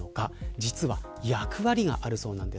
実は、役割があるそうなんです。